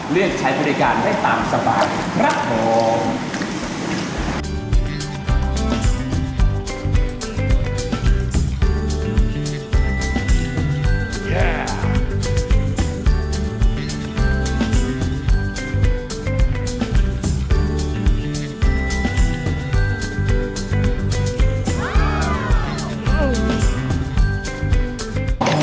เลือกใช้บริการได้ตามสบายครับผม